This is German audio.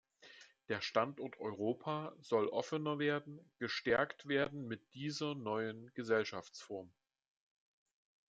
Der Standort Europa soll offener werden, gestärkt werden mit dieser neuen Gesellschaftsform.